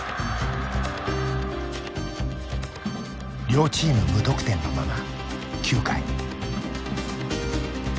両チーム無得点のまま９回。